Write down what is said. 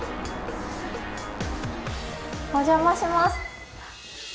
お邪魔します。